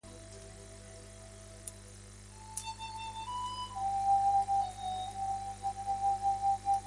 Como muchos caracteres del mundo de Narnia, hay etimología bastante sencilla del nombre.